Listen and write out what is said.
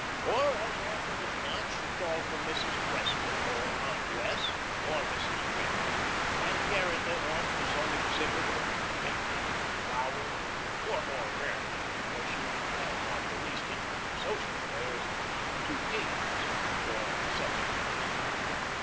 Or as often as not she called for Mrs. Cressler or Aunt Wess' or Mrs. Gretry, and carried them off to some exhibit of painting, or flowers, or more rarely for she had not the least interest in social affairs to teas or receptions.